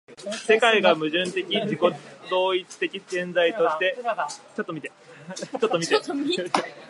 世界が矛盾的自己同一的現在として自己自身を形成するという時右にいった如く世界は意識的である。